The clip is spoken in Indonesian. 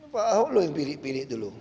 pak ahok lo yang pilih pilih dulu